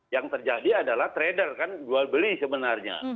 yang terjadi adalah trader kan jual beli sebenarnya